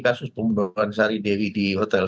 kasus pembunuhan sari dewi di hotel